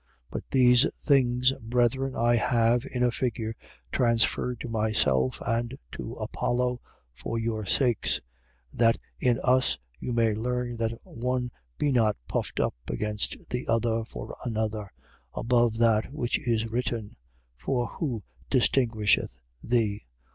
4:6. But these things, brethren, I have in a figure transferred to myself and to Apollo, for your sakes: that in us you may learn that one be not puffed up against the other for another, above that which is written. 4:7. For who distinguisheth thee?